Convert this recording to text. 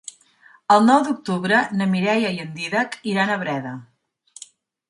El nou d'octubre na Mireia i en Dídac iran a Breda.